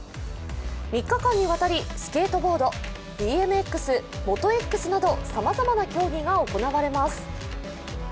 ３日間にわたり、スケートボード、ＢＭＸ、ＭｏｔｏＸなどさまざまな競技が行われます。